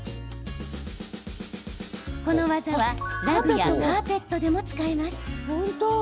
この技はラグやカーペットでも使えます。